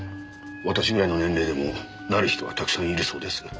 私ぐらいの年齢でもなる人はたくさんいるそうです。